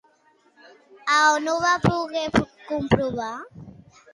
On ho va poder comprovar?